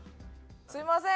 すみません